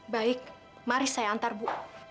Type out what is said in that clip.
baik mari saya antar bu